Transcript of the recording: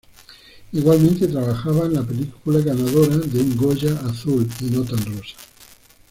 Igualmente trabaja en la película ganadora de un goya, Azul y no tan rosa.